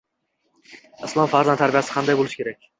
Islomda farzand tarbiyasi qanday bo‘lishi kerak?